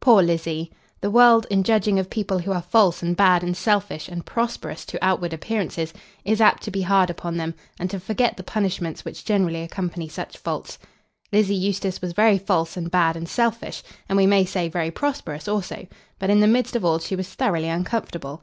Poor Lizzie! The world, in judging of people who are false and bad and selfish and prosperous to outward appearances, is apt to be hard upon them, and to forget the punishments which generally accompany such faults. Lizzie Eustace was very false and bad and selfish, and, we may say, very prosperous also; but in the midst of all she was thoroughly uncomfortable.